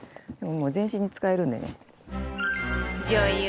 もう全身に使えるんでね。